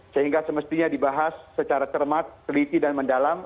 sehingga semestinya dibahas secara cermat teliti dan mendalam